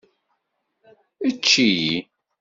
Ečč-iyi!